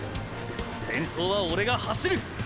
先頭はオレが走る！！